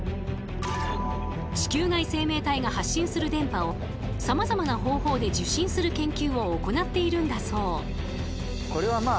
地球外生命体が発信する電波をさまざまな方法で受信する研究を行っているんだそう。